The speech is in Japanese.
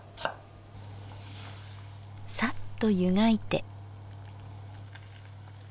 さっとゆがいて。